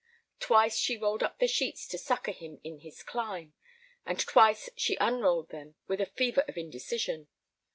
Twice she rolled up the sheets to succor him in his climb, and twice unrolled them with a fever of indecision.